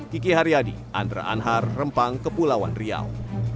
kiki haryadi andra anhar rempang kepulauan riau